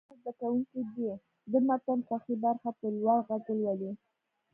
څو تنه زده کوونکي دې د متن خوښې برخه په لوړ غږ ولولي.